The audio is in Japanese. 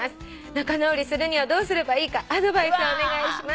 「仲直りするにはどうすればいいかアドバイスお願いします」